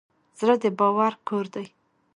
زړه د باور کور دی.